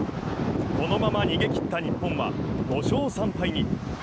このまま逃げ切った日本は５勝３敗に。